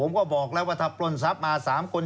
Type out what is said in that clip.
บอกแล้วว่าถ้าปล้นทรัพย์มา๓คน